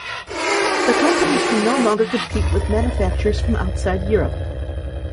The company can no longer compete with manufacturers from outside Europe.